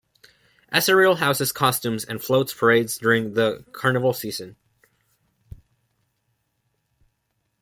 Acireale houses costumes and floats parades during the carnival season.